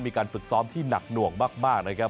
มีการฝึกซ้อมที่หนักหน่วงมากนะครับ